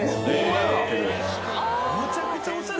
むちゃくちゃおしゃれ。